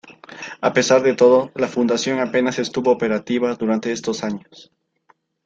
A pesar de todo, la Fundación apenas estuvo operativa durante estos años.